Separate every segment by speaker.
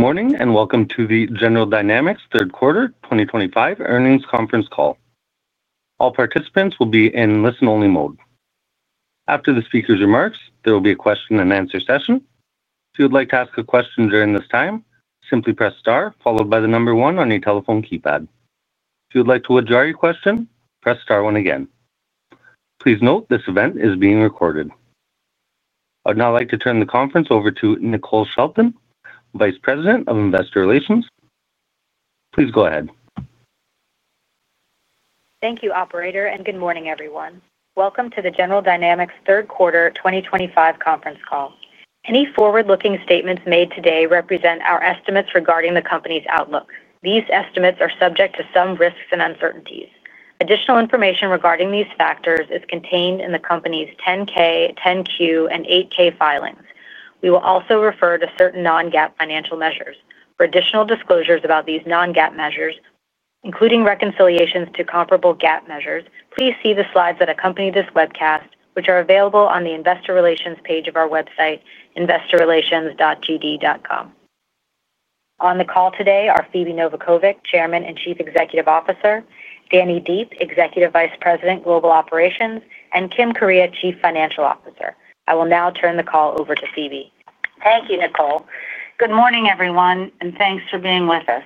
Speaker 1: Good morning and welcome to the General Dynamics Third Quarter 2025 Earnings Conference Call. All participants will be in listen-only mode. After the speaker's remarks, there will be a question and answer session. If you would like to ask a question during this time, simply press star followed by the number one on your telephone keypad. If you would like to withdraw your question, press star one again. Please note this event is being recorded. I would now like to turn the conference over to Nicole Shelton, Vice President of Investor Relations. Please go ahead.
Speaker 2: Thank you, Operator, and good morning, everyone. Welcome to the General Dynamics Third Quarter 2025 Conference Call. Any forward-looking statements made today represent our estimates regarding the company's outlook. These estimates are subject to some risks and uncertainties. Additional information regarding these factors is contained in the company's 10-K, 10-Q, and 8-K filings. We will also refer to certain non-GAAP financial measures. For additional disclosures about these non-GAAP measures, including reconciliations to comparable GAAP measures, please see the slides that accompany this webcast, which are available on the Investor Relations page of our website, investorrelations.gd.com. On the call today are Phebe Novakovic, Chairman and Chief Executive Officer, Danny Deep, Executive Vice President, Global Operations, and Kimberly Kuryea, Chief Financial Officer. I will now turn the call over to Phebe.
Speaker 3: Thank you, Nicole. Good morning, everyone, and thanks for being with us.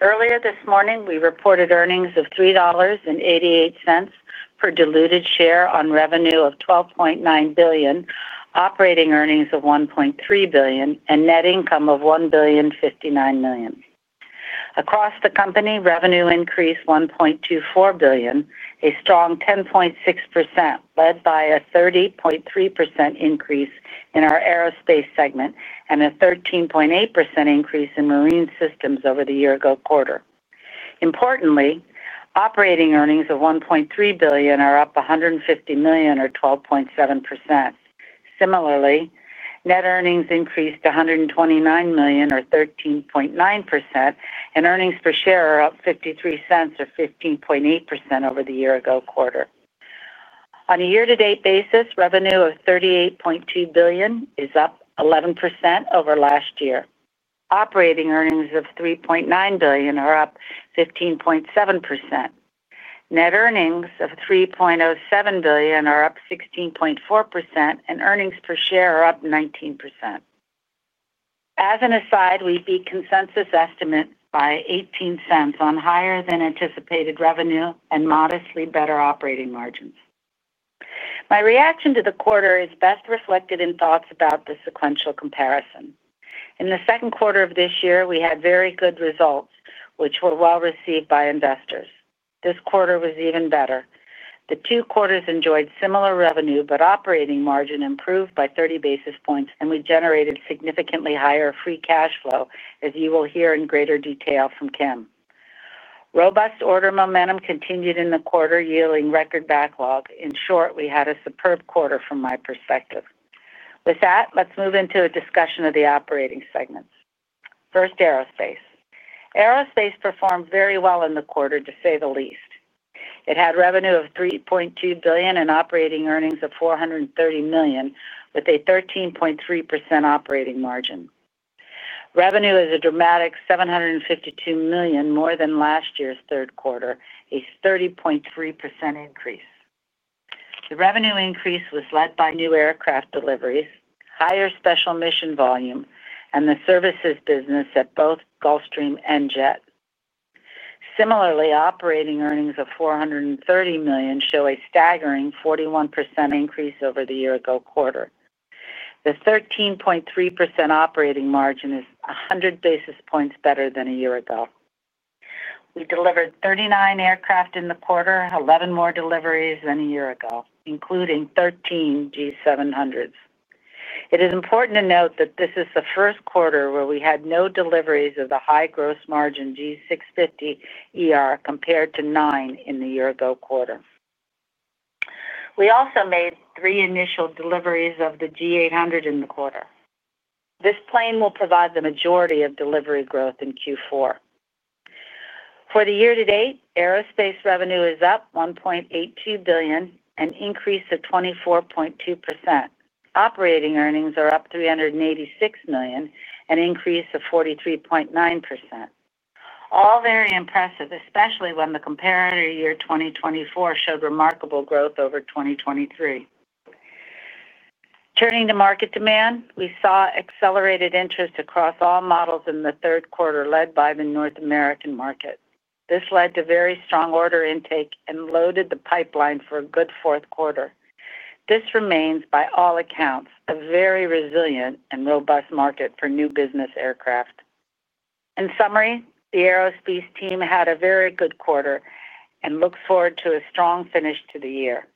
Speaker 3: Earlier this morning, we reported earnings of $3.88 per diluted share on revenue of $12.9 billion, operating earnings of $1.3 billion, and net income of $1.59 billion. Across the company, revenue increased $1.24 billion, a strong 10.6%, led by a 30.3% increase in our aerospace segment and a 13.8% increase in marine systems over the year-ago quarter. Importantly, operating earnings of $1.3 billion are up $150 million, or 12.7%. Similarly, net earnings increased to $129 million, or 13.9%, and earnings per share are up $0.53, or 15.8% over the year-ago quarter. On a year-to-date basis, revenue of $38.2 billion is up 11% over last year. Operating earnings of $3.9 billion are up 15.7%. Net earnings of $3.07 billion are up 16.4%, and earnings per share are up 19%. As an aside, we beat consensus estimates by $0.18 on higher-than-anticipated revenue and modestly better operating margins. My reaction to the quarter is best reflected in thoughts about the sequential comparison. In the second quarter of this year, we had very good results, which were well received by investors. This quarter was even better. The two quarters enjoyed similar revenue, but operating margin improved by 30 basis points, and we generated significantly higher free cash flow, as you will hear in greater detail from Kim. Robust order momentum continued in the quarter, yielding record backlog. In short, we had a superb quarter from my perspective. With that, let's move into a discussion of the operating segments. First, aerospace. Aerospace performed very well in the quarter, to say the least. It had revenue of $3.2 billion and operating earnings of $430 million, with a 13.3% operating margin. Revenue is a dramatic $752 million, more than last year's third quarter, a 30.3% increase. The revenue increase was led by new aircraft deliveries, higher special mission volume, and the services business at both Gulfstream and Jet. Similarly, operating earnings of $430 million show a staggering 41% increase over the year-ago quarter. The 13.3% operating margin is 100 basis points better than a year ago. We delivered 39 aircraft in the quarter, 11 more deliveries than a year ago, including 13 G700s. It is important to note that this is the first quarter where we had no deliveries of the high gross margin G650ER compared to nine in the year-ago quarter. We also made three initial deliveries of the G800 in the quarter. This plane will provide the majority of delivery growth in Q4. For the year-to-date, aerospace revenue is up $1.82 billion, an increase of 24.2%. Operating earnings are up $386 million, an increase of 43.9%. All very impressive, especially when the comparator year 2024 showed remarkable growth over 2023. Turning to market demand, we saw accelerated interest across all models in the third quarter, led by the North American market. This led to very strong order intake and loaded the pipeline for a good fourth quarter. This remains, by all accounts, a very resilient and robust market for new business aircraft. In summary, the aerospace team had a very good quarter and looks forward to a strong finish to the year.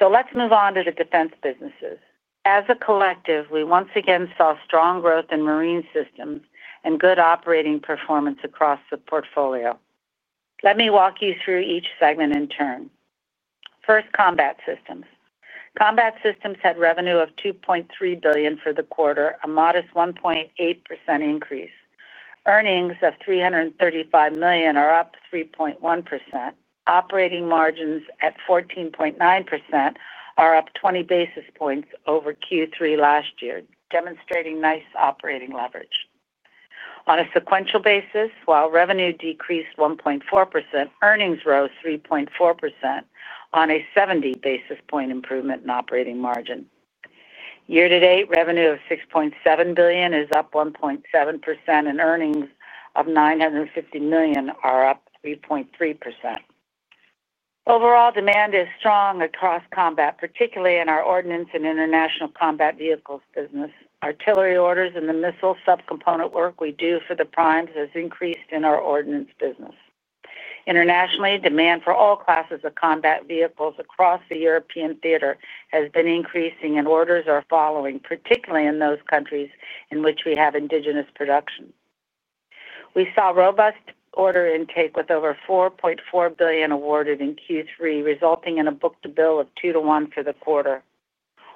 Speaker 3: Let's move on to the defense businesses. As a collective, we once again saw strong growth in marine systems and good operating performance across the portfolio. Let me walk you through each segment in turn. First, combat systems. Combat systems had revenue of $2.3 billion for the quarter, a modest 1.8% increase. Earnings of $335 million are up 3.1%. Operating margins at 14.9% are up 20 basis points over Q3 last year, demonstrating nice operating leverage. On a sequential basis, while revenue decreased 1.4%, earnings rose 3.4% on a 70 basis point improvement in operating margin. Year-to-date, revenue of $6.7 billion is up 1.7%, and earnings of $950 million are up 3.3%. Overall, demand is strong across combat, particularly in our ordnance and international combat vehicles business. Artillery orders and the missile subcomponent work we do for the primes has increased in our ordnance business. Internationally, demand for all classes of combat vehicles across the European theater has been increasing, and orders are following, particularly in those countries in which we have indigenous production. We saw robust order intake with over $4.4 billion awarded in Q3, resulting in a book-to-bill of two to one for the quarter.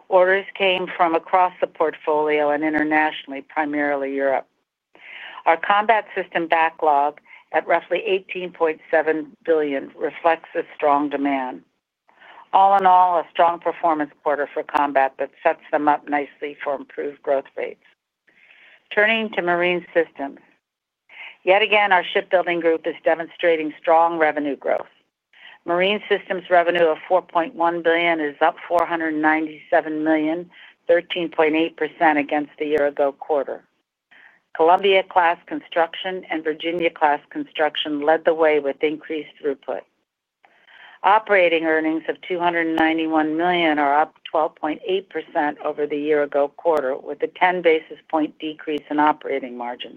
Speaker 3: Orders came from across the portfolio and internationally, primarily Europe. Our combat system backlog at roughly $18.7 billion reflects a strong demand. All in all, a strong performance quarter for combat that sets them up nicely for improved growth rates. Turning to marine systems. Yet again, our shipbuilding group is demonstrating strong revenue growth. Marine systems revenue of $4.1 billion is up $497 million, 13.8% against the year-ago quarter. Columbia class construction and Virginia class construction led the way with increased throughput. Operating earnings of $291 million are up 12.8% over the year-ago quarter, with a 10 basis point decrease in operating margin.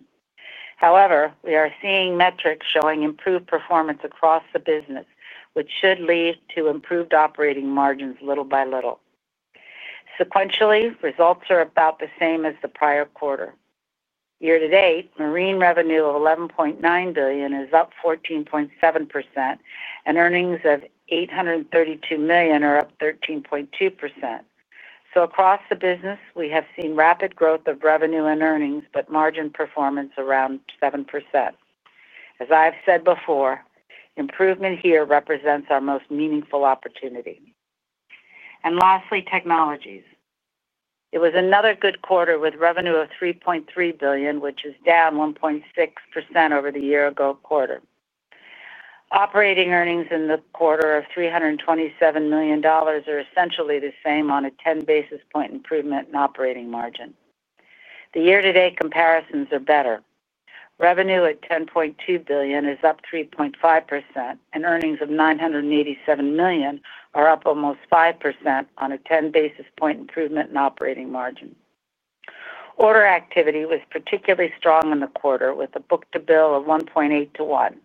Speaker 3: However, we are seeing metrics showing improved performance across the business, which should lead to improved operating margins little by little. Sequentially, results are about the same as the prior quarter. Year-to-date, marine revenue of $11.9 billion is up 14.7%, and earnings of $832 million are up 13.2%. Across the business, we have seen rapid growth of revenue and earnings, but margin performance around 7%. As I've said before, improvement here represents our most meaningful opportunity. Lastly, technologies. It was another good quarter with revenue of $3.3 billion, which is down 1.6% over the year-ago quarter. Operating earnings in the quarter of $327 million are essentially the same on a 10 basis point improvement in operating margin. The year-to-date comparisons are better. Revenue at $10.2 billion is up 3.5%, and earnings of $987 million are up almost 5% on a 10 basis point improvement in operating margin. Order activity was particularly strong in the quarter, with a book-to-bill of 1.8-1.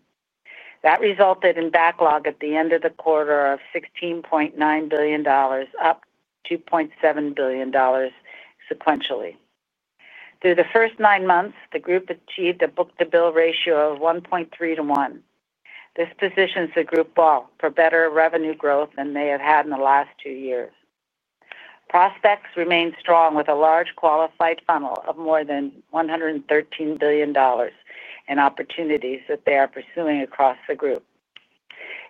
Speaker 3: That resulted in backlog at the end of the quarter of $16.9 billion, up $2.7 billion sequentially. Through the first nine months, the group achieved a book-to-bill ratio of 1.3-1. This positions the group well for better revenue growth than they have had in the last two years. Prospects remain strong with a large qualified funnel of more than $113 billion in opportunities that they are pursuing across the group.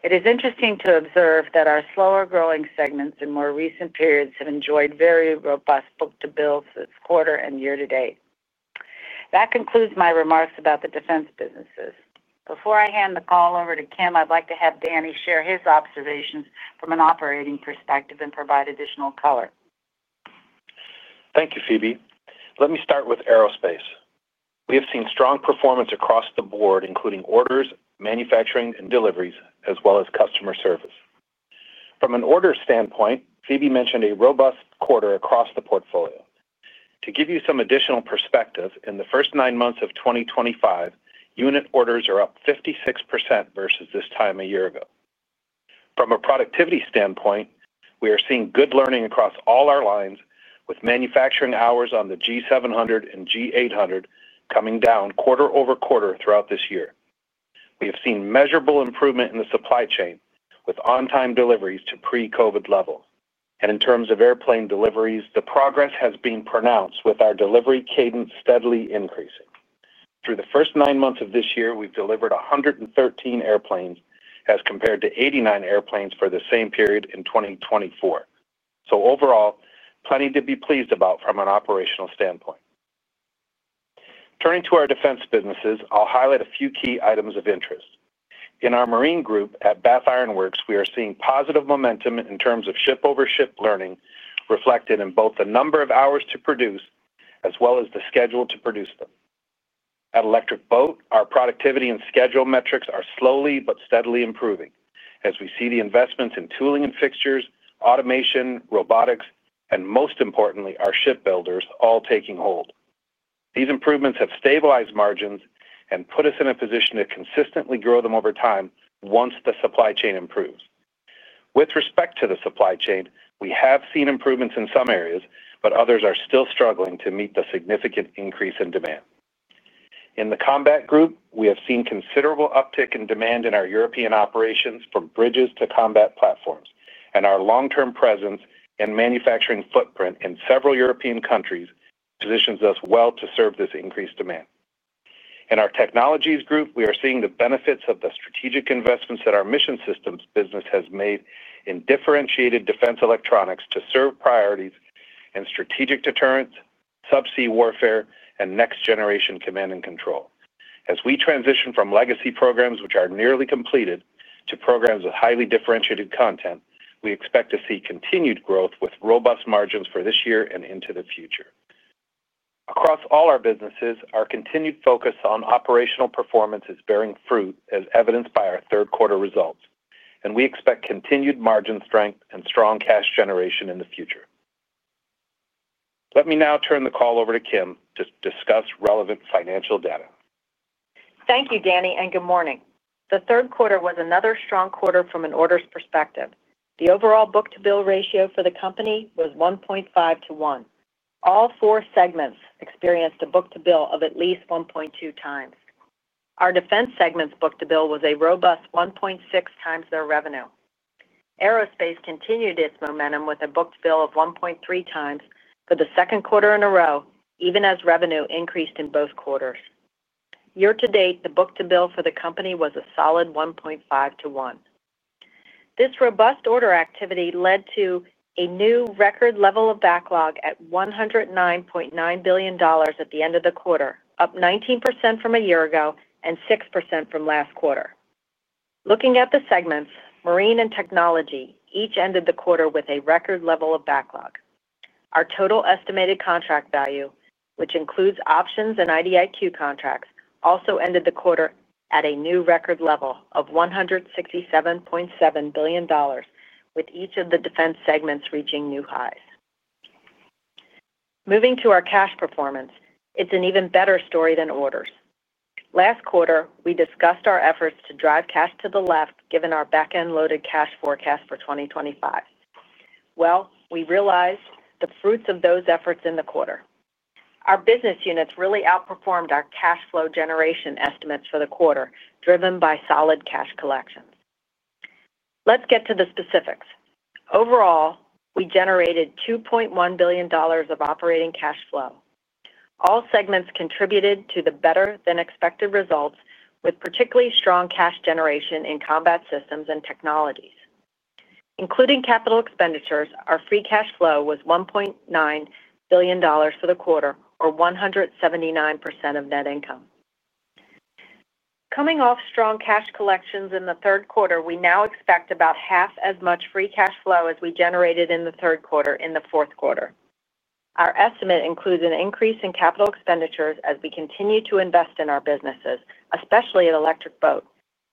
Speaker 3: It is interesting to observe that our slower growing segments in more recent periods have enjoyed very robust book-to-bills this quarter and year to date. That concludes my remarks about the defense businesses. Before I hand the call over to Kim, I'd like to have Danny share his observations from an operating perspective and provide additional color.
Speaker 4: Thank you, Phebe. Let me start with aerospace. We have seen strong performance across the board, including orders, manufacturing, and deliveries, as well as customer service. From an order standpoint, Phebe mentioned a robust quarter across the portfolio. To give you some additional perspective, in the first nine months of 2025, unit orders are up 56% versus this time a year ago. From a productivity standpoint, we are seeing good learning across all our lines, with manufacturing hours on the G700 and G800 coming down quarter over quarter throughout this year. We have seen measurable improvement in the supply chain, with on-time deliveries to pre-COVID levels. In terms of airplane deliveries, the progress has been pronounced with our delivery cadence steadily increasing. Through the first nine months of this year, we've delivered 113 airplanes as compared to 89 airplanes for the same period in 2024. Overall, plenty to be pleased about from an operational standpoint. Turning to our defense businesses, I'll highlight a few key items of interest. In our marine group at Bath Iron Works, we are seeing positive momentum in terms of ship-over-ship learning, reflected in both the number of hours to produce as well as the schedule to produce them. At Electric Boat, our productivity and schedule metrics are slowly but steadily improving, as we see the investments in tooling and fixtures, automation, robotics, and most importantly, our shipbuilders all taking hold. These improvements have stabilized margins and put us in a position to consistently grow them over time once the supply chain improves. With respect to the supply chain, we have seen improvements in some areas, but others are still struggling to meet the significant increase in demand. In the combat group, we have seen considerable uptick in demand in our European operations from bridges to combat platforms, and our long-term presence and manufacturing footprint in several European countries positions us well to serve this increased demand. In our technologies group, we are seeing the benefits of the strategic investments that our mission systems business has made in differentiated defense electronics to serve priorities in strategic deterrence, subsea warfare, and next-generation command and control. As we transition from legacy programs, which are nearly completed, to programs with highly differentiated content, we expect to see continued growth with robust margins for this year and into the future. Across all our businesses, our continued focus on operational performance is bearing fruit, as evidenced by our third-quarter results, and we expect continued margin strength and strong cash generation in the future. Let me now turn the call over to Kim to discuss relevant financial data.
Speaker 5: Thank you, Danny, and good morning. The third quarter was another strong quarter from an orders perspective. The overall book-to-bill ratio for the company was 1.5-1. All four segments experienced a book-to-bill of at least 1.2 times. Our defense segment's book-to-bill was a robust 1.6 times their revenue. Aerospace continued its momentum with a book-to-bill of 1.3 times for the second quarter in a row, even as revenue increased in both quarters. Year to date, the book-to-bill for the company was a solid 1.5-1. This robust order activity led to a new record level of backlog at $109.9 billion at the end of the quarter, up 19% from a year ago and 6% from last quarter. Looking at the segments, marine and technology each ended the quarter with a record level of backlog. Our total estimated contract value, which includes options and IDIQ contracts, also ended the quarter at a new record level of $167.7 billion, with each of the defense segments reaching new highs. Moving to our cash performance, it's an even better story than orders. Last quarter, we discussed our efforts to drive cash to the left, given our backend loaded cash forecast for 2025. We realized the fruits of those efforts in the quarter. Our business units really outperformed our cash flow generation estimates for the quarter, driven by solid cash collections. Let's get to the specifics. Overall, we generated $2.1 billion of operating cash flow. All segments contributed to the better than expected results, with particularly strong cash generation in combat systems and technologies. Including capital expenditures, our free cash flow was $1.9 billion for the quarter, or 179% of net income. Coming off strong cash collections in the third quarter, we now expect about half as much free cash flow as we generated in the third quarter in the fourth quarter. Our estimate includes an increase in capital expenditures as we continue to invest in our businesses, especially at Electric Boat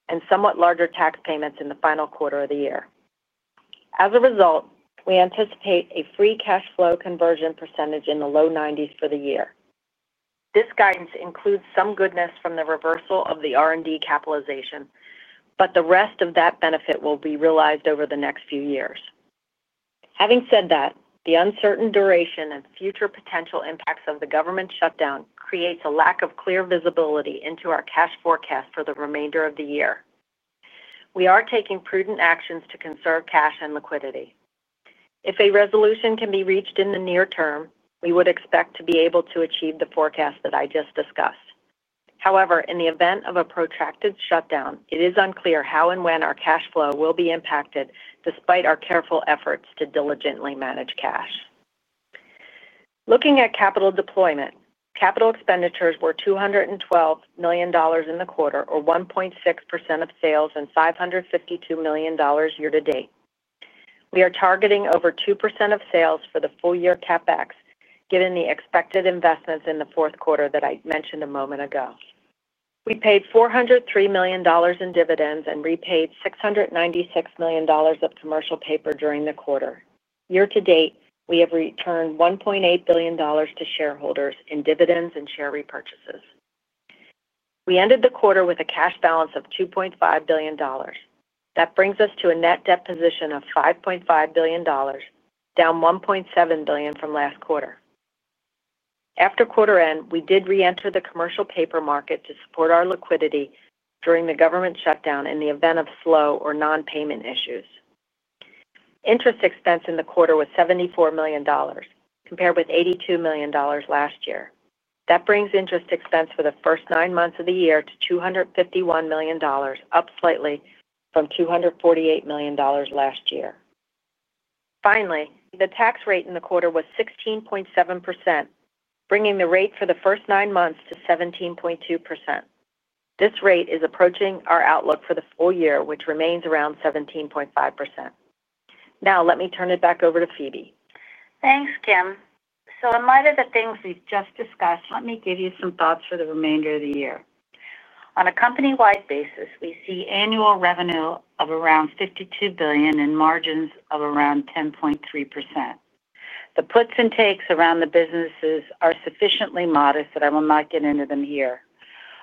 Speaker 5: and somewhat larger tax payments in the final quarter of the year. As a result, we anticipate a free cash flow conversion percentage in the low 90% for the year. This guidance includes some goodness from the reversal of the R&D capitalization, but the rest of that benefit will be realized over the next few years. Having said that, the uncertain duration and future potential impacts of the government shutdown create a lack of clear visibility into our cash forecast for the remainder of the year. We are taking prudent actions to conserve cash and liquidity. If a resolution can be reached in the near term, we would expect to be able to achieve the forecast that I just discussed. However, in the event of a protracted shutdown, it is unclear how and when our cash flow will be impacted despite our careful efforts to diligently manage cash. Looking at capital deployment, capital expenditures were $212 million in the quarter, or 1.6% of sales, and $552 million year to date. We are targeting over 2% of sales for the full year CapEx, given the expected investments in the fourth quarter that I mentioned a moment ago. We paid $403 million in dividends and repaid $696 million of commercial paper during the quarter. Year to date, we have returned $1.8 billion to shareholders in dividends and share repurchases. We ended the quarter with a cash balance of $2.5 billion. That brings us to a net debt position of $5.5 billion, down $1.7 billion from last quarter. After quarter end, we did reenter the commercial paper market to support our liquidity during the government shutdown in the event of slow or non-payment issues. Interest expense in the quarter was $74 million, compared with $82 million last year. That brings interest expense for the first nine months of the year to $251 million, up slightly from $248 million last year. Finally, the tax rate in the quarter was 16.7%, bringing the rate for the first nine months to 17.2%. This rate is approaching our outlook for the full year, which remains around 17.5%. Now, let me turn it back over to Phebe.
Speaker 3: Thanks, Kim. In light of the things we've just discussed, let me give you some thoughts for the remainder of the year. On a company-wide basis, we see annual revenue of around $52 billion and margins of around 10.3%. The puts and takes around the businesses are sufficiently modest that I will not get into them here.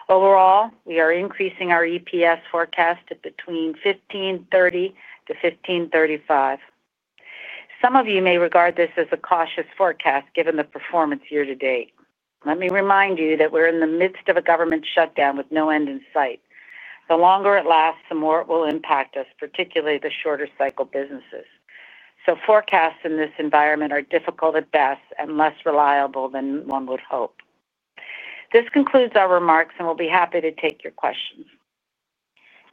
Speaker 3: Overall, we are increasing our EPS forecast to between $15.30-$15.35. Some of you may regard this as a cautious forecast given the performance year to date. Let me remind you that we're in the midst of a government shutdown with no end in sight. The longer it lasts, the more it will impact us, particularly the shorter cycle businesses. Forecasts in this environment are difficult at best and less reliable than one would hope. This concludes our remarks, and we'll be happy to take your questions.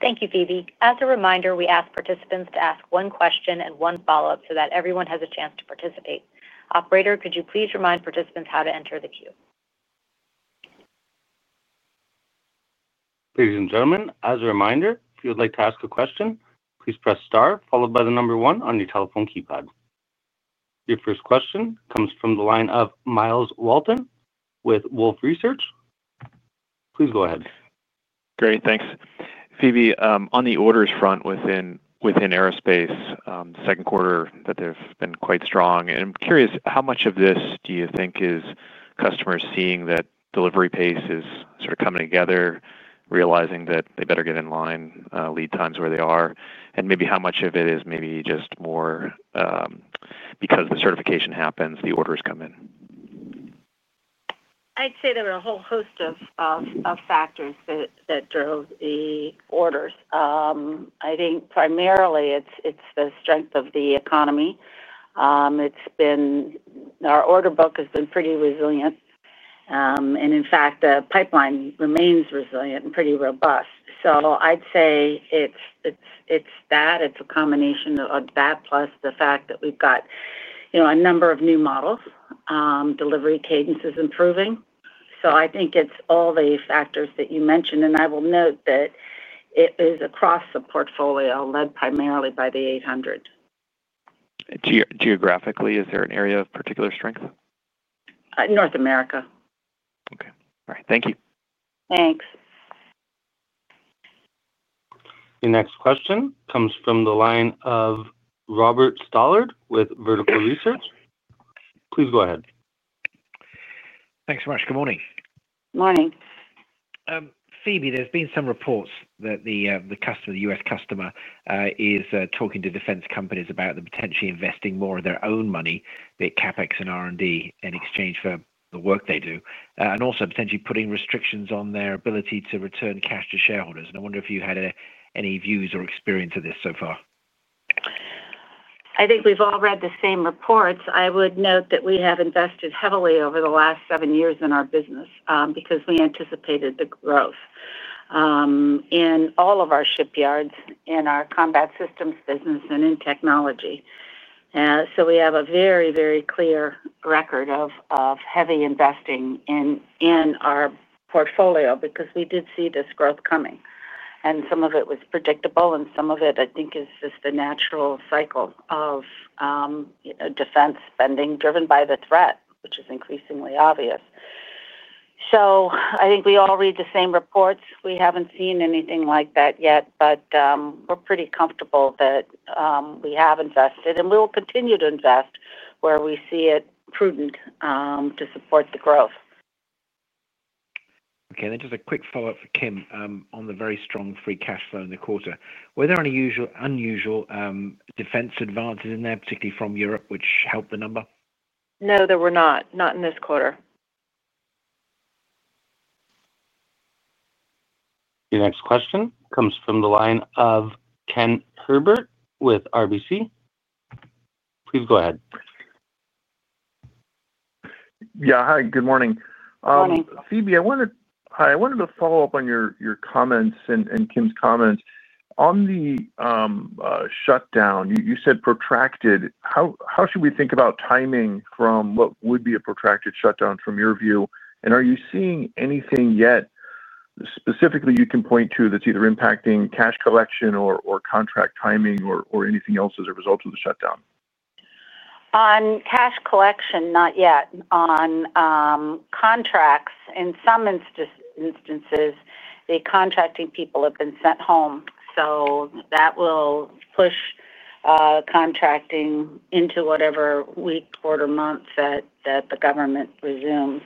Speaker 2: Thank you, Phebe. As a reminder, we ask participants to ask one question and one follow-up so that everyone has a chance to participate. Operator, could you please remind participants how to enter the queue?
Speaker 1: Ladies and gentlemen, as a reminder, if you would like to ask a question, please press star followed by the number one on your telephone keypad. Your first question comes from the line of Myles Walton with Wolfe Research. Please go ahead.
Speaker 6: Great, thanks. Phebe, on the orders front within aerospace, the second quarter that they've been quite strong. I'm curious, how much of this do you think is customers seeing that delivery pace is sort of coming together, realizing that they better get in line, lead times where they are, and maybe how much of it is maybe just more because the certification happens, the orders come in?
Speaker 3: I'd say there are a whole host of factors that drove the orders. I think primarily it's the strength of the economy. Our order book has been pretty resilient, and in fact, the pipeline remains resilient and pretty robust. I'd say it's that. It's a combination of that plus the fact that we've got a number of new models. Delivery cadence is improving. I think it's all the factors that you mentioned. I will note that it is across the portfolio, led primarily by the G800.
Speaker 6: Geographically, is there an area of particular strength?
Speaker 3: North America.
Speaker 6: Okay. All right. Thank you.
Speaker 3: Thanks.
Speaker 1: Your next question comes from the line of Robert Stallard with Vertical Research. Please go ahead.
Speaker 7: Thanks so much. Good morning.
Speaker 3: Morning.
Speaker 7: Phebe, there's been some reports that the customer, the U.S. customer, is talking to defense companies about potentially investing more of their own money at CapEx and R&D in exchange for the work they do, also potentially putting restrictions on their ability to return cash to shareholders. I wonder if you had any views or experience of this so far.
Speaker 3: I think we've all read the same reports. I would note that we have invested heavily over the last seven years in our business because we anticipated the growth in all of our shipyards, in our combat systems business, and in technology. We have a very, very clear record of heavy investing in our portfolio because we did see this growth coming. Some of it was predictable, and some of it, I think, is just the natural cycle of defense spending driven by the threat, which is increasingly obvious. I think we all read the same reports. We haven't seen anything like that yet, but we're pretty comfortable that we have invested, and we will continue to invest where we see it prudent to support the growth.
Speaker 7: Okay. Just a quick follow-up for Kim on the very strong free cash flow in the quarter. Were there any unusual defense advances in there, particularly from Europe, which helped the number?
Speaker 3: No, there were not. Not in this quarter.
Speaker 1: Your next question comes from the line of Ken Herbert with RBC Capital Markets. Please go ahead.
Speaker 8: Hi. Good morning.
Speaker 3: Morning.
Speaker 8: Phebe, I wanted to follow up on your comments and Kim's comments. On the shutdown, you said protracted. How should we think about timing from what would be a protracted shutdown from your view? Are you seeing anything yet specifically you can point to that's either impacting cash collection or contract timing or anything else as a result of the shutdown?
Speaker 3: On cash collection, not yet. On contracts, in some instances, the contracting people have been sent home. That will push contracting into whatever week, quarter, or month that the government resumes.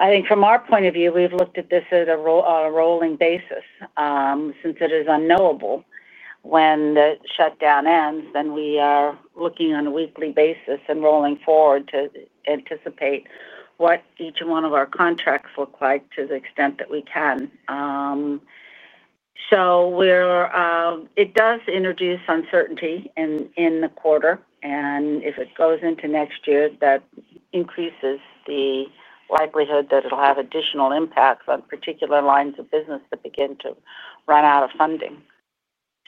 Speaker 3: I think from our point of view, we've looked at this as a rolling basis. Since it is unknowable when the shutdown ends, we are looking on a weekly basis and rolling forward to anticipate what each one of our contracts look like to the extent that we can. It does introduce uncertainty in the quarter, and if it goes into next year, that increases the likelihood that it'll have additional impacts on particular lines of business that begin to run out of funding.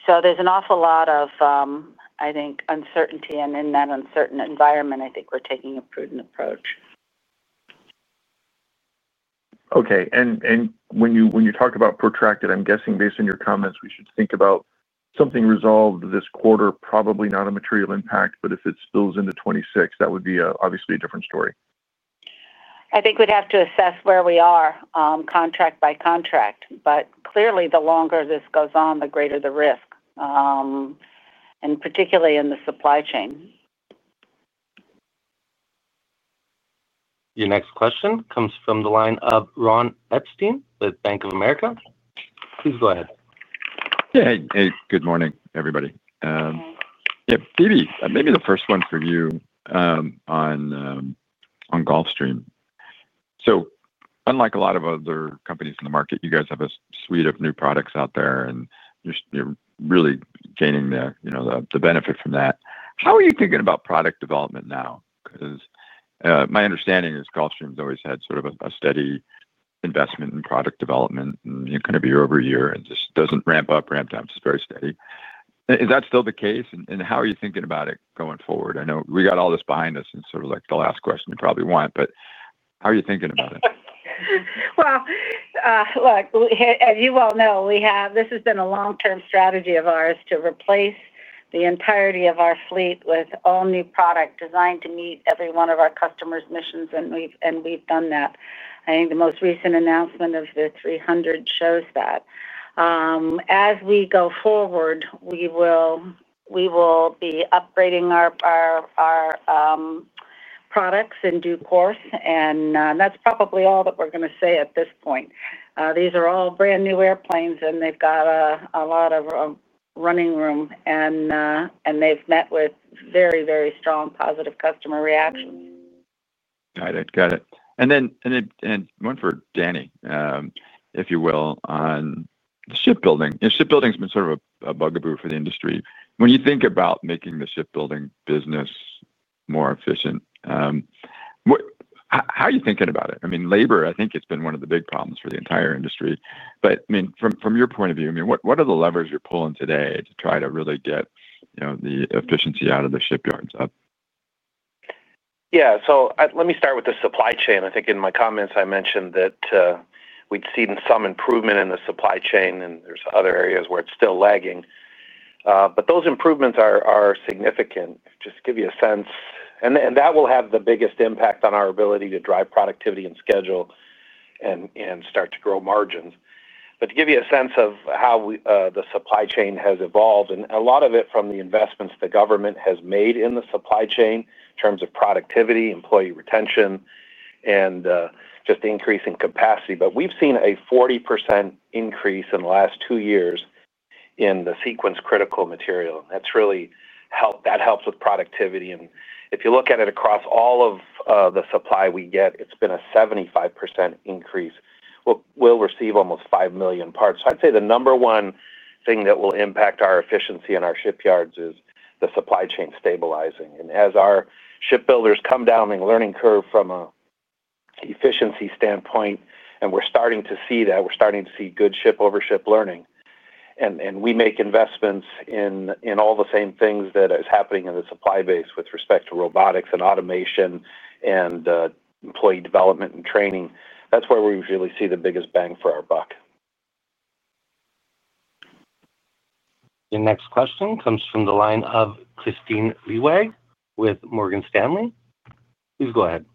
Speaker 3: There's an awful lot of uncertainty, and in that uncertain environment, I think we're taking a prudent approach.
Speaker 8: Okay. When you talk about protracted, I'm guessing based on your comments, we should think about something resolved this quarter, probably not a material impact. If it spills into 2026, that would be obviously a different story.
Speaker 3: I think we'd have to assess where we are contract by contract. Clearly, the longer this goes on, the greater the risk, particularly in the supply chain.
Speaker 1: Your next question comes from the line of Ron Epstein with Bank of America. Please go ahead.
Speaker 9: Yeah. Good morning, everybody. Phebe, maybe the first one for you on Gulfstream. Unlike a lot of other companies in the market, you guys have a suite of new products out there, and you're really gaining the benefit from that. How are you thinking about product development now? My understanding is Gulfstream's always had sort of a steady investment in product development, you know, kind of year over year, and it just doesn't ramp up, ramp down. It's just very steady. Is that still the case? How are you thinking about it going forward? I know we got all this behind us. It's sort of like the last question you probably want, but how are you thinking about it?
Speaker 3: As you well know, this has been a long-term strategy of ours to replace the entirety of our fleet with all new product designed to meet every one of our customers' missions, and we've done that. I think the most recent announcement of the 300 shows that. As we go forward, we will be upgrading our products in due course, and that's probably all that we're going to say at this point. These are all brand new airplanes, and they've got a lot of running room, and they've met with very, very strong positive customer reactions.
Speaker 9: Got it. One for Danny, if you will, on the shipbuilding. Shipbuilding has been sort of a bugaboo for the industry. When you think about making the shipbuilding business more efficient, how are you thinking about it? Labor, I think it's been one of the big problems for the entire industry. From your point of view, what are the levers you're pulling today to try to really get the efficiency out of the shipyards up?
Speaker 4: Yeah. Let me start with the supply chain. I think in my comments, I mentioned that we'd seen some improvement in the supply chain, and there are other areas where it's still lagging. Those improvements are significant, just to give you a sense. That will have the biggest impact on our ability to drive productivity and schedule and start to grow margins. To give you a sense of how the supply chain has evolved, a lot of it is from the investments the government has made in the supply chain in terms of productivity, employee retention, and just increasing capacity. We've seen a 40% increase in the last two years in the sequence critical material, and that's really helped. That helps with productivity. If you look at it across all of the supply we get, it's been a 75% increase. We'll receive almost 5 million parts. I'd say the number one thing that will impact our efficiency in our shipyards is the supply chain stabilizing. As our shipbuilders come down the learning curve from an efficiency standpoint, we're starting to see that, we're starting to see good ship-over-ship learning. We make investments in all the same things that are happening in the supply base with respect to robotics and automation and employee development and training. That's where we really see the biggest bang for our buck.
Speaker 1: Your next question comes from the line of Kristine Liwag with Morgan Stanley. Please go ahead.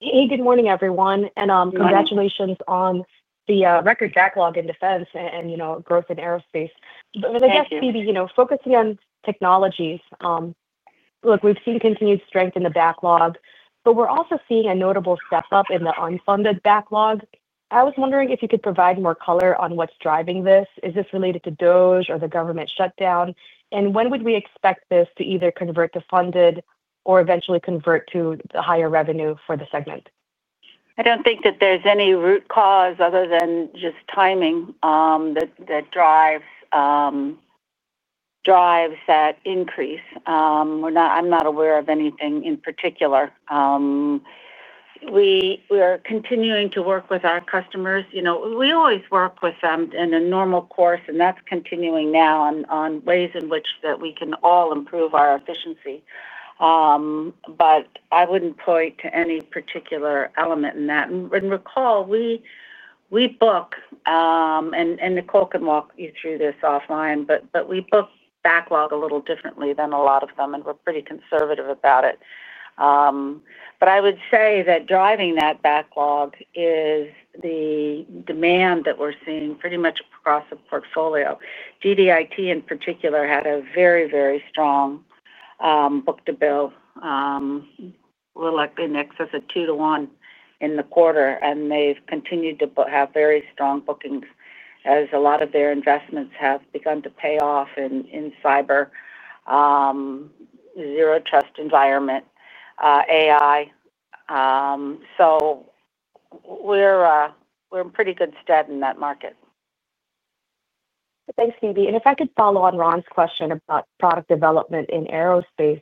Speaker 10: Hey, good morning, everyone. Congratulations on the record backlog in defense and growth in aerospace. Phebe, focusing on technologies, look, we've seen continued strength in the backlog, but we're also seeing a notable step up in the unfunded backlog. I was wondering if you could provide more color on what's driving this. Is this related to the government shutdown? When would we expect this to either convert to funded or eventually convert to the higher revenue for the segment?
Speaker 3: I don't think that there's any root cause other than just timing that drives that increase. I'm not aware of anything in particular. We are continuing to work with our customers. You know, we always work with them in a normal course, and that's continuing now on ways in which we can all improve our efficiency. I wouldn't point to any particular element in that. Recall, we book, and Nicole can walk you through this offline, but we book backlog a little differently than a lot of them, and we're pretty conservative about it. I would say that driving that backlog is the demand that we're seeing pretty much across the portfolio. GDIT, in particular, had a very, very strong book-to-bill, a little like in excess of two to one in the quarter, and they've continued to have very strong bookings as a lot of their investments have begun to pay off in cyber, zero trust environment, AI. We're in pretty good stead in that market.
Speaker 10: Thanks, Phebe. If I could follow on Ron's question about product development in aerospace,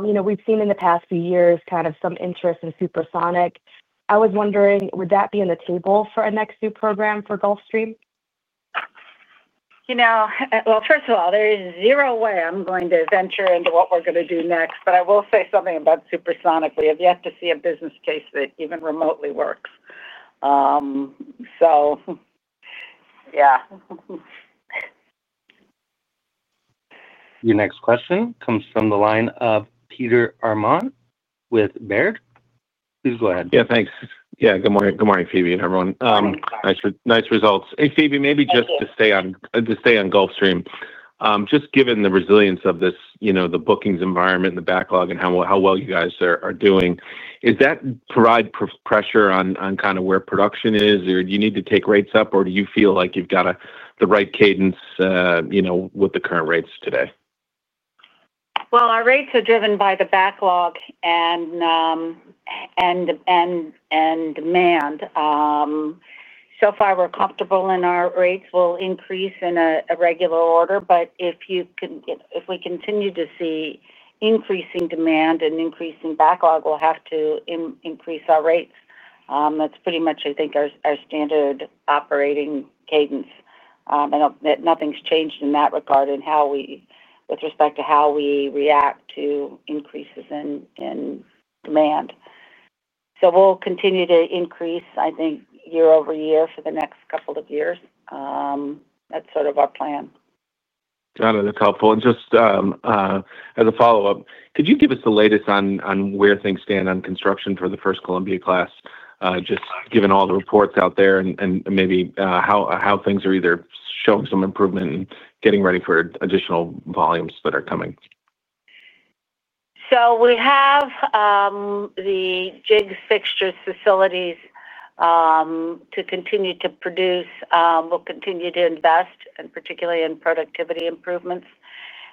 Speaker 10: we've seen in the past few years kind of some interest in supersonic. I was wondering, would that be on the table for a next new program for Gulfstream?
Speaker 3: First of all, there is zero way I'm going to venture into what we're going to do next. I will say something about supersonic. We have yet to see a business case that even remotely works. Yeah.
Speaker 1: Your next question comes from the line of Peter Arment with Baird. Please go ahead.
Speaker 11: Yeah, thanks. Good morning, Phebe and everyone. Nice results. Hey, Phebe, maybe just to stay on Gulfstream, just given the resilience of this, you know, the bookings environment and the backlog and how well you guys are doing, does that provide pressure on kind of where production is, or do you need to take rates up, or do you feel like you've got the right cadence, you know, with the current rates today?
Speaker 3: Our rates are driven by the backlog and demand. So far, we're comfortable in our rates. We'll increase in a regular order. If we continue to see increasing demand and increasing backlog, we'll have to increase our rates. That's pretty much, I think, our standard operating cadence. I don't think nothing's changed in that regard with respect to how we react to increases in demand. We'll continue to increase, I think, year over year for the next couple of years. That's sort of our plan.
Speaker 11: Got it. That's helpful. Just as a follow-up, could you give us the latest on where things stand on construction for the first Columbia class, just given all the reports out there and maybe how things are either showing some improvement and getting ready for additional volumes that are coming?
Speaker 3: We have the jigs, fixtures, facilities to continue to produce. We'll continue to invest, particularly in productivity improvements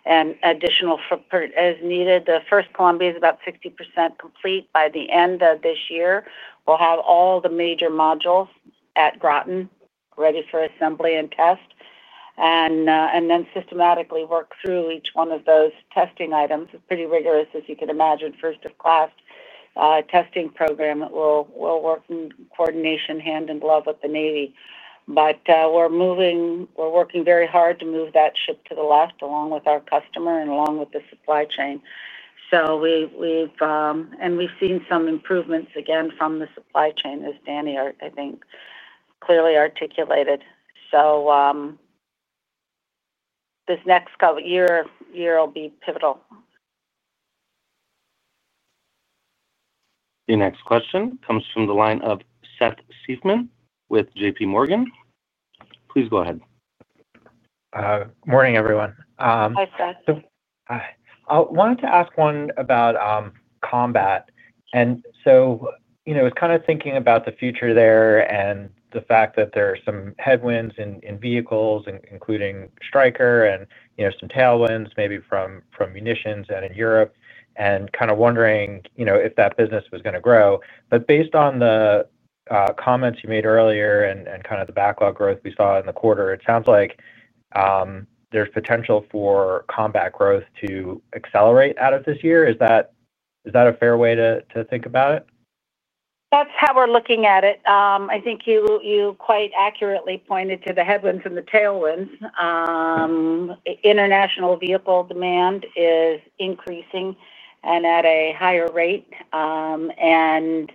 Speaker 3: and additional as needed. The first Columbia is about 60% complete by the end of this year. We'll have all the major modules at Groton ready for assembly and test, and then systematically work through each one of those testing items. It's a pretty rigorous, as you can imagine, first-of-class testing program. We'll work in coordination, hand in glove with the Navy. We're moving, we're working very hard to move that ship to the left along with our customer and along with the supply chain. We've seen some improvements again from the supply chain, as Danny, I think, clearly articulated. This next year will be pivotal.
Speaker 1: Your next question comes from the line of Seth Seifman with J.P. Morgan. Please go ahead.
Speaker 12: Morning, everyone.
Speaker 3: Hi, Seth.
Speaker 12: Hi. I wanted to ask one about combat. I was kind of thinking about the future there and the fact that there are some headwinds in vehicles, including Stryker, and some tailwinds maybe from munitions and in Europe, and kind of wondering if that business was going to grow. Based on the comments you made earlier and kind of the backlog growth we saw in the quarter, it sounds like there's potential for combat growth to accelerate out of this year. Is that a fair way to think about it?
Speaker 3: That's how we're looking at it. I think you quite accurately pointed to the headwinds and the tailwinds. International vehicle demand is increasing and at a higher rate, and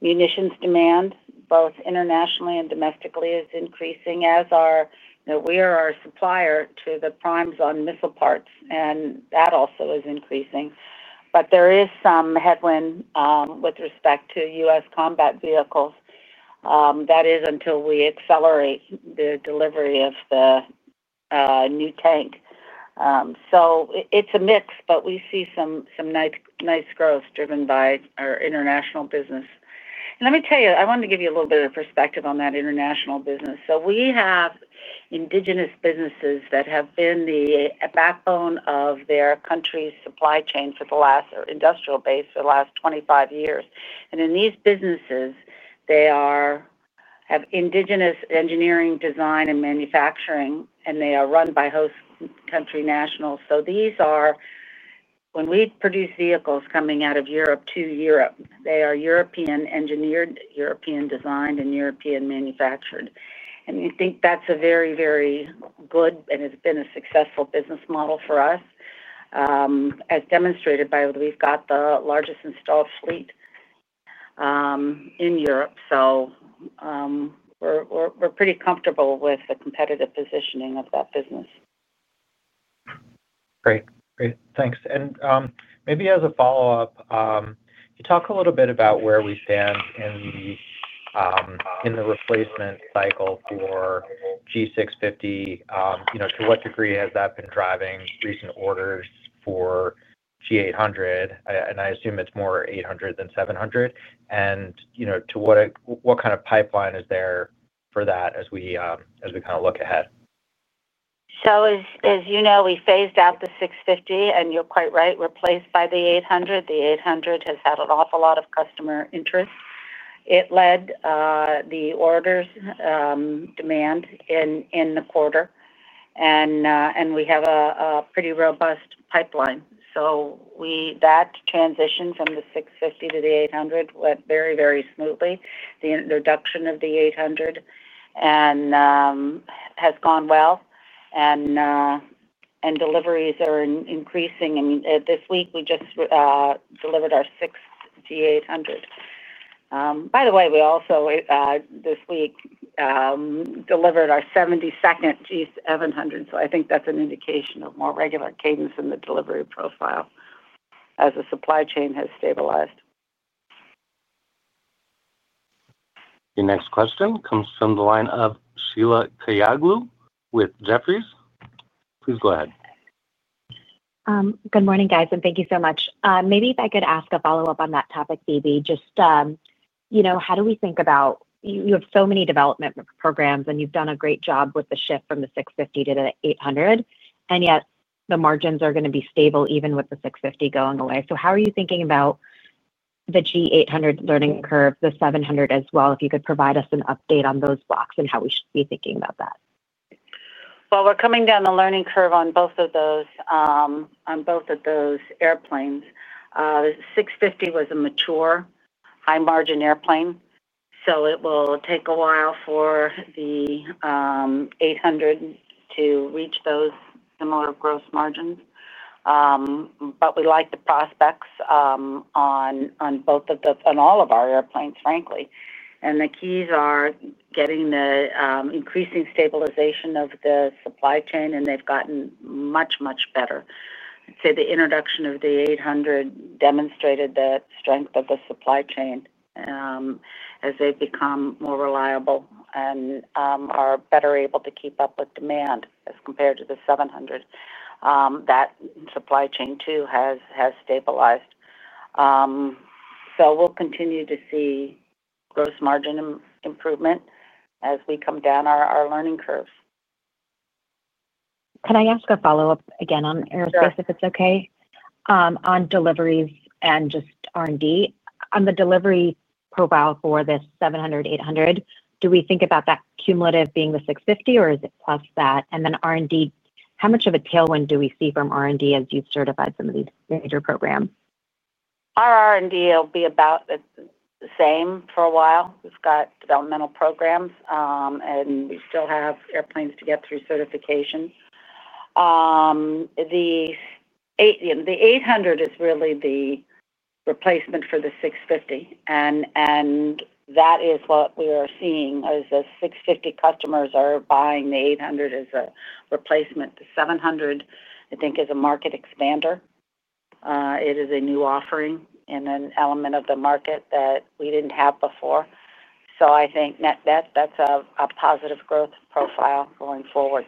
Speaker 3: munitions demand, both internationally and domestically, is increasing as we are a supplier to the primes on missile parts, and that also is increasing. There is some headwind with respect to U.S. combat vehicles. That is until we accelerate the delivery of the new tank. It's a mix, but we see some nice growth driven by our international business. Let me tell you, I wanted to give you a little bit of perspective on that international business. We have indigenous businesses that have been the backbone of their country's supply chain or industrial base for the last 25 years. In these businesses, they have indigenous engineering, design, and manufacturing, and they are run by host country nationals. When we produce vehicles coming out of Europe to Europe, they are European engineered, European designed, and European manufactured. I think that's a very, very good and has been a successful business model for us, as demonstrated by we've got the largest installed fleet in Europe. We're pretty comfortable with the competitive positioning of that business.
Speaker 12: Great. Thanks. Maybe as a follow-up, you talk a little bit about where we stand in the replacement cycle for G650. To what degree has that been driving recent orders for G800? I assume it's more 800 than 700. What kind of pipeline is there for that as we look ahead?
Speaker 3: As you know, we phased out the G650ER, and you're quite right, replaced by the G800. The G800 has had an awful lot of customer interest. It led the orders demand in the quarter, and we have a pretty robust pipeline. That transition from the G650ER to the G800 went very, very smoothly. The introduction of the G800 has gone well, and deliveries are increasing. I mean, this week, we just delivered our 6th G800. By the way, we also this week delivered our 72nd G700. I think that's an indication of more regular cadence in the delivery profile as the supply chain has stabilized.
Speaker 1: Your next question comes from the line of Sheila Kahyaoglu with Jefferies. Please go ahead.
Speaker 13: Good morning, guys, and thank you so much. Maybe if I could ask a follow-up on that topic, Phebe, just you know, how do we think about you have so many development programs, and you've done a great job with the shift from the G650ER to the G800, and yet the margins are going to be stable even with the G650ER going away. How are you thinking about the G800 learning curve, the G700 as well? If you could provide us an update on those blocks and how we should be thinking about that.
Speaker 3: We're coming down the learning curve on both of those airplanes. The G650ER was a mature, high-margin airplane. It will take a while for the G800 to reach those similar gross margins. We like the prospects on both of the, on all of our airplanes, frankly. The keys are getting the increasing stabilization of the supply chain, and they've gotten much, much better. I'd say the introduction of the G800 demonstrated the strength of the supply chain as they've become more reliable and are better able to keep up with demand as compared to the G700. That supply chain, too, has stabilized. We'll continue to see gross margin improvement as we come down our learning curves.
Speaker 13: Can I ask a follow-up again on aerospace if it's okay?
Speaker 3: Sure.
Speaker 13: On deliveries and just R&D, on the delivery profile for the G700, G800, do we think about that cumulative being the G650, or is it plus that? R&D, how much of a tailwind do we see from R&D as you've certified some of these major programs?
Speaker 3: Our R&D will be about the same for a while. We've got developmental programs, and we still have airplanes to get through certification. The G800 is really the replacement for the G650, and that is what we are seeing as the G650 customers are buying the G800 as a replacement. The G700, I think, is a market expander. It is a new offering and an element of the market that we didn't have before. I think that's a positive growth profile going forward.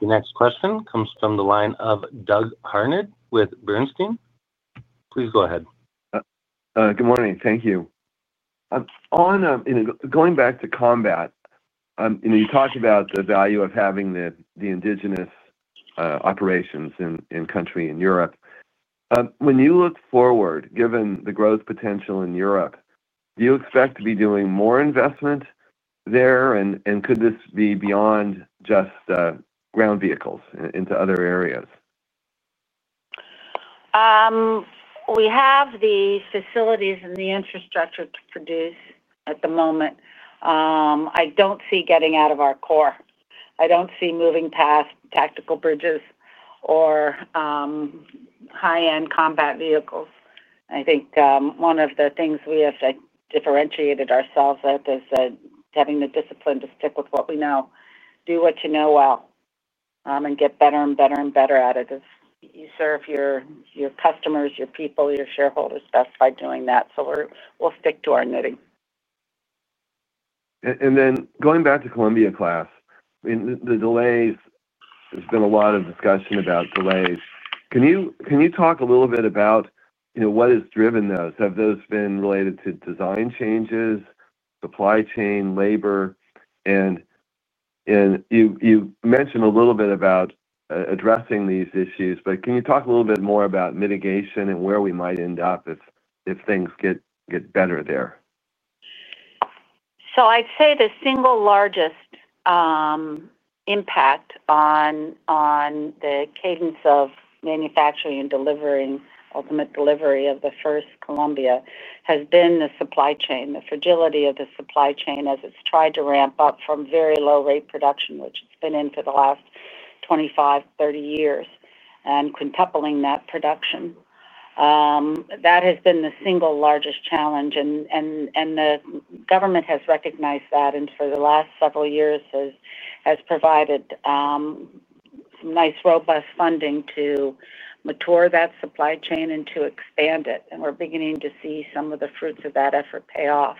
Speaker 1: Your next question comes from the line of Douglas Harned with Sanford C. Bernstein. Please go ahead.
Speaker 14: Good morning. Thank you. Going back to combat, you talked about the value of having the indigenous operations in country in Europe. When you look forward, given the growth potential in Europe, do you expect to be doing more investment there, and could this be beyond just ground vehicles into other areas?
Speaker 3: We have the facilities and the infrastructure to produce at the moment. I don't see getting out of our core. I don't see moving past tactical bridges or high-end combat vehicles. I think one of the things we have to differentiate ourselves at is having the discipline to stick with what we know, do what you know well, and get better and better and better at it as you serve your customers, your people, your shareholders best by doing that. We will stick to our knitting.
Speaker 14: Going back to Columbia class, the delays, there's been a lot of discussion about delays. Can you talk a little bit about what has driven those? Have those been related to design changes, supply chain, labor? You mentioned a little bit about addressing these issues, but can you talk a little bit more about mitigation and where we might end up if things get better there?
Speaker 3: I'd say the single largest impact on the cadence of manufacturing and ultimate delivery of the first Columbia has been the supply chain, the fragility of the supply chain as it's tried to ramp up from very low-rate production, which it's been in for the last 25, 30 years, and quintupling that production. That has been the single largest challenge, and the government has recognized that and for the last several years has provided some nice robust funding to mature that supply chain and to expand it. We're beginning to see some of the fruits of that effort pay off.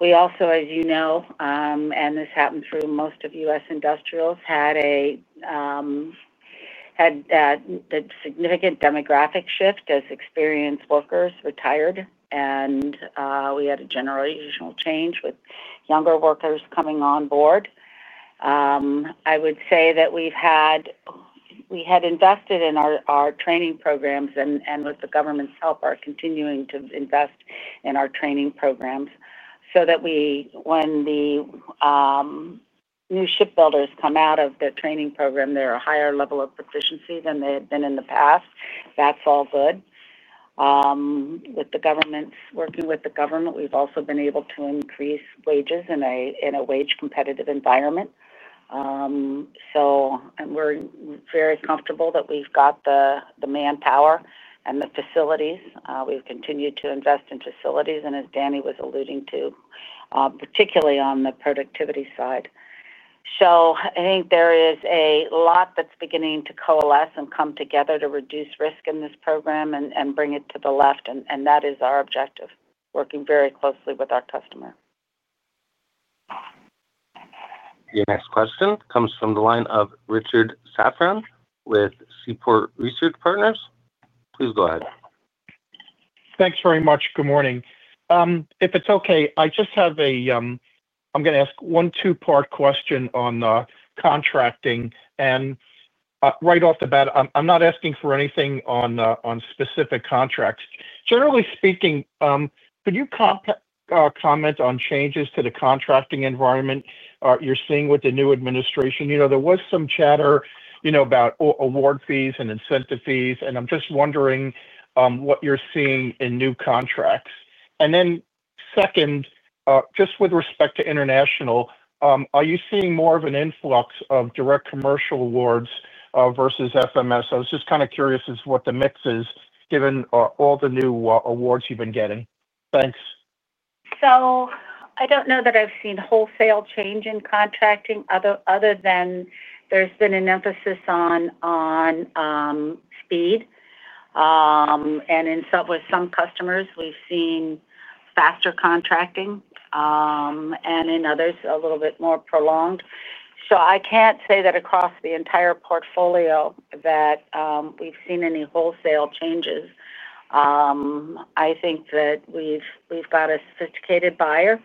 Speaker 3: As you know, and this happened through most of U.S. industrials, we had a significant demographic shift as experienced workers retired, and we had a generational change with younger workers coming on board. I would say that we had invested in our training programs and with the government's help, are continuing to invest in our training programs so that when the new shipbuilders come out of their training program, they're at a higher level of proficiency than they had been in the past. That's all good. Working with the government, we've also been able to increase wages in a wage-competitive environment. We're very comfortable that we've got the manpower and the facilities. We've continued to invest in facilities, and as Danny was alluding to, particularly on the productivity side. I think there is a lot that's beginning to coalesce and come together to reduce risk in this program and bring it to the left, and that is our objective, working very closely with our customer.
Speaker 1: Your next question comes from the line of Richard Safran with Seaport Research Partners. Please go ahead.
Speaker 15: Thanks very much. Good morning. If it's okay, I just have a I'm going to ask one two-part question on the contracting. Right off the bat, I'm not asking for anything on specific contracts. Generally speaking, could you comment on changes to the contracting environment you're seeing with the new administration? There was some chatter about award fees and incentive fees, and I'm just wondering what you're seeing in new contracts. Second, just with respect to international, are you seeing more of an influx of direct commercial awards versus FMS? I was just kind of curious as to what the mix is given all the new awards you've been getting. Thanks.
Speaker 3: I don't know that I've seen wholesale change in contracting other than there's been an emphasis on speed. In some customers, we've seen faster contracting, and in others, a little bit more prolonged. I can't say that across the entire portfolio that we've seen any wholesale changes. I think that we've got a sophisticated buyer,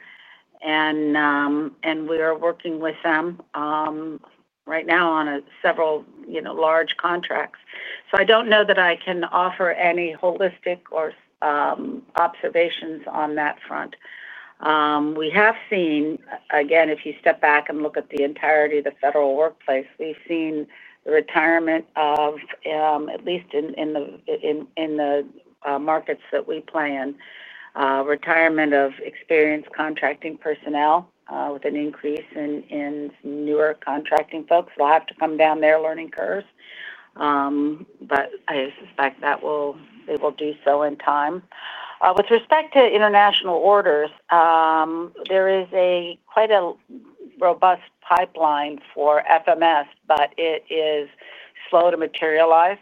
Speaker 3: and we are working with them right now on several large contracts. I don't know that I can offer any holistic observations on that front. We have seen, again, if you step back and look at the entirety of the federal workplace, the retirement of, at least in the markets that we play in, experienced contracting personnel with an increase in newer contracting folks. They'll have to come down their learning curves, but I suspect that they will do so in time. With respect to international orders, there is quite a robust pipeline for FMS, but it is slow to materialize.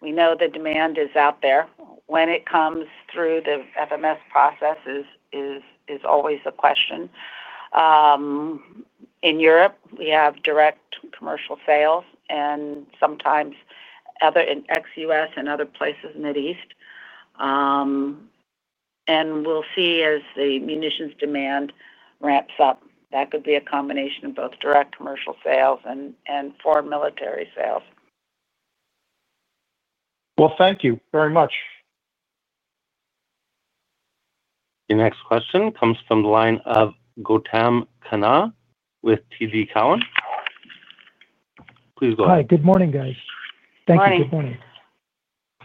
Speaker 3: We know the demand is out there. When it comes through the FMS process, it is always a question. In Europe, we have direct commercial sales and sometimes other in ex-U.S. and other places in the Mid-East. We'll see as the munitions demand ramps up. That could be a combination of both direct commercial sales and foreign military sales.
Speaker 15: Thank you very much.
Speaker 1: Your next question comes from the line of Gautam Khanna with TD Cowen. Please go ahead.
Speaker 16: Hi. Good morning, guys. Thank you. Good morning. I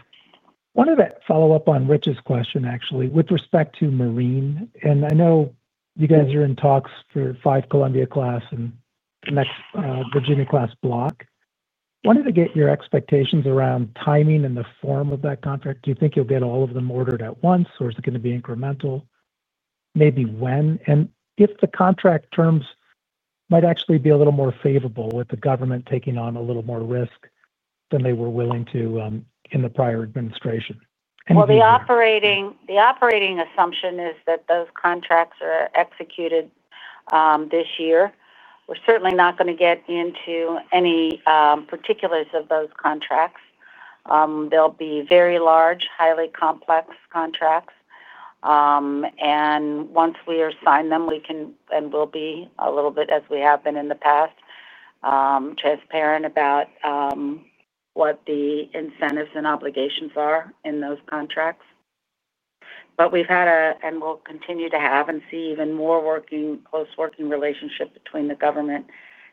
Speaker 16: wanted to follow up on Rich's question, actually, with respect to Marine. I know you guys are in talks for five Columbia class and the next Virginia class block. I wanted to get your expectations around timing and the form of that contract. Do you think you'll get all of them ordered at once, or is it going to be incremental? Maybe when? If the contract terms might actually be a little more favorable with the government taking on a little more risk than they were willing to in the prior administration.
Speaker 3: The operating assumption is that those contracts are executed this year. We're certainly not going to get into any particulars of those contracts. They'll be very large, highly complex contracts. Once we are assigned them, we can, and we'll be a little bit, as we have been in the past, transparent about what the incentives and obligations are in those contracts. We've had a, and we'll continue to have, and see even more, close working relationship between the government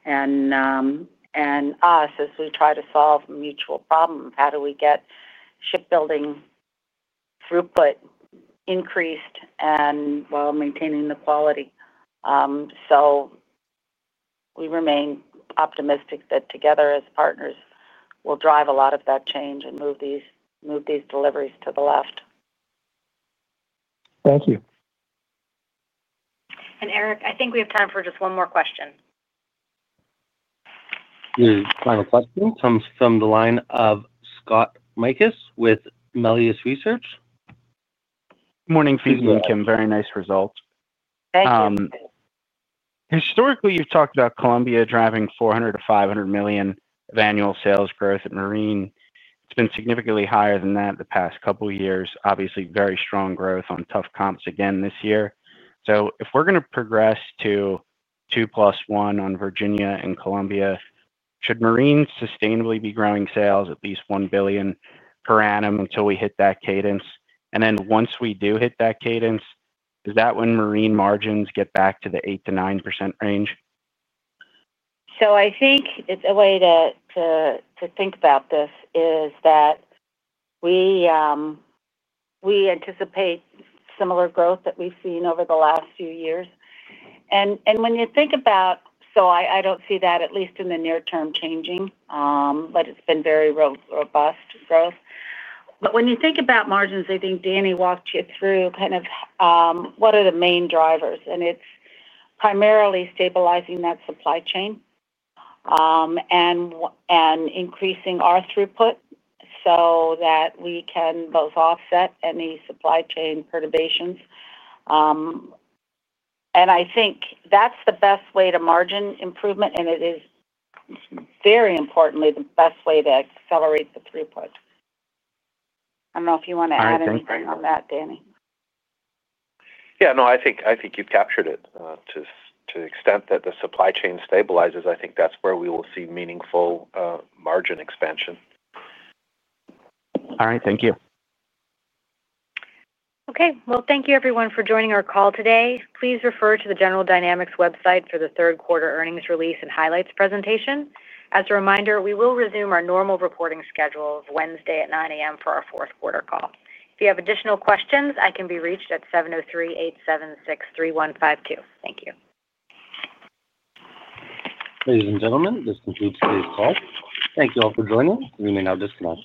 Speaker 3: and us as we try to solve a mutual problem. How do we get shipbuilding throughput increased while maintaining the quality? We remain optimistic that together as partners we'll drive a lot of that change and move these deliveries to the left.
Speaker 16: Thank you.
Speaker 2: Eric, I think we have time for just one more question.
Speaker 1: Final question comes from the line of Scott Mikus with Melius Research.
Speaker 17: Morning, Phebe and Kim. Very nice result.
Speaker 3: Thank you.
Speaker 17: Historically, you've talked about Columbia driving $400-$500 million of annual sales growth at Marine. It's been significantly higher than that in the past couple of years. Obviously, very strong growth on tough comps again this year. If we're going to progress to two plus one on Virginia and Columbia, should Marine sustainably be growing sales at least $1 billion per annum until we hit that cadence? Once we do hit that cadence, is that when Marine margins get back to the 8%-9% range?
Speaker 3: I think a way to think about this is that we anticipate similar growth that we've seen over the last few years. When you think about it, I don't see that at least in the near term changing, but it's been very robust growth. When you think about margins, I think Danny walked you through what are the main drivers, and it's primarily stabilizing that supply chain and increasing our throughput so that we can both offset any supply chain perturbations. I think that's the best way to margin improvement, and it is very importantly the best way to accelerate the throughput. I don't know if you want to add anything on that, Danny.
Speaker 4: Yeah. No, I think you've captured it. To the extent that the supply chain stabilizes, I think that's where we will see meaningful margin expansion.
Speaker 17: All right, thank you.
Speaker 2: Thank you, everyone, for joining our call today. Please refer to the General Dynamics website for the third quarter earnings release and highlights presentation. As a reminder, we will resume our normal reporting schedule of Wednesday at 9:00 A.M. for our fourth quarter call. If you have additional questions, I can be reached at 703-876-3152. Thank you.
Speaker 1: Ladies and gentlemen, this concludes today's call. Thank you all for joining. We may now disconnect.